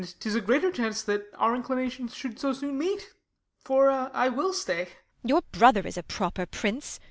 Ben. And 'tis a greater chance That our inclinations should so soon meet ; For I will stay. Beat. Your brother is a proper Prince